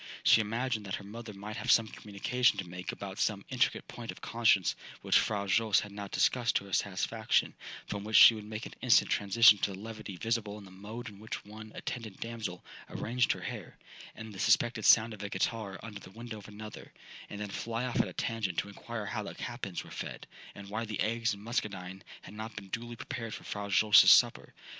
She imagined that her mother might have some communication to make about some intricate point of conscience which Fra Jose had not discussed to her satisfaction, from which she would make an instant transition to the levity visible in the mode in which one attendant damsel arranged her hair, and the suspected sound of a ghitarra under the window of another, and then fly off at a tangent to inquire how the capons were fed, and why the eggs and Muscadine had not been duly prepared for Fra Jose's supper.